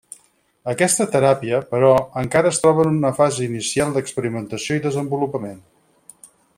Aquesta teràpia, però, encara es troba en una fase inicial d'experimentació i desenvolupament.